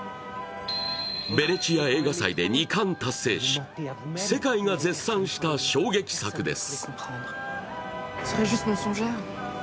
ベネチア映画祭で２冠達成し世界が絶賛した衝撃作です。